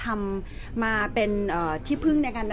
แต่ว่าสามีด้วยคือเราอยู่บ้านเดิมแต่ว่าสามีด้วยคือเราอยู่บ้านเดิม